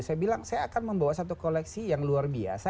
saya bilang saya akan membawa satu koleksi yang luar biasa